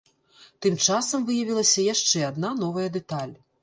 Тым часам выявілася яшчэ адна новая дэталь.